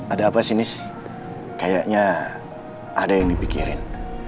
ada apa sih nis kayaknya ada yang dipikirin